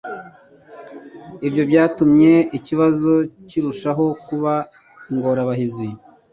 Ibyo byatumye ikibazo kirushaho kuba ingorabahizi